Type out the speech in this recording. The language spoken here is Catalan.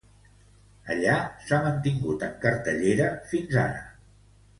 Allà s'ha mantingut en cartellera fins ara.